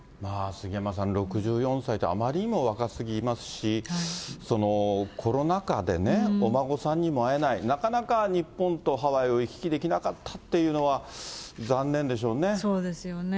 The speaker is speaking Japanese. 杉山さん、６４歳ってあまりにも若すぎますし、コロナ禍でね、お孫さんにも会えない、なかなか日本とハワイを行き来できなかったっていうのは、残念でそうですよね。